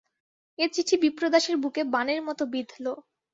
এ চিঠি বিপ্রদাসের বুকে বাণের মতো বিঁধল।